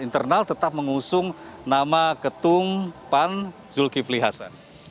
internal tetap mengusung nama ketung pan zulkifli hasan